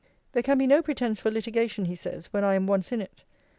There can be no pretence for litigation, he says, when I am once in it.